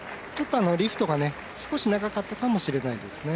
リフトが少し長かったかもしれないですね。